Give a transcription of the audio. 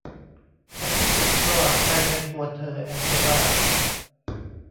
ฉันรู้สึกประหลาดใจในตัวเธอ แองเจล่า